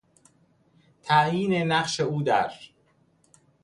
تعیین نقش او در....